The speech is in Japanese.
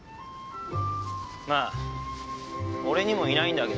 まあ俺にもいないんだけどさ。